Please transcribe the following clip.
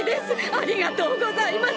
ありがとうございます